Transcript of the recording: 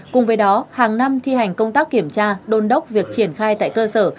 cùng với đó hàng năm thi hành công tác kiểm tra đôn đốc việc triển khai tại cơ sở